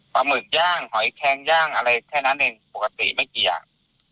หมึกย่างหอยแคงย่างอะไรแค่นั้นเองปกติไม่กี่อย่าง